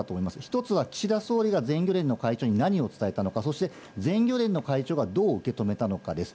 １つは岸田総理が全漁連の会長に何を伝えたのか、そして全漁連の会長がどう受け止めたのかです。